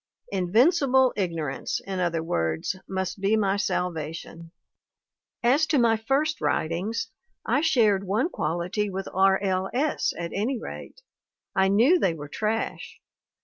Invincible ignorance, in other words, must be my salvation ! "As to my 'first writings/ I shared one quality with R, L. S. at any rate; I knew they were trash.